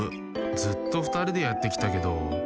ずっとふたりでやってきたけど。